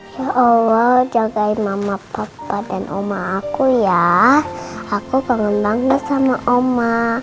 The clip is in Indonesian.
ya allah jagai mama papa dan oma aku ya aku pengembangkan sama oma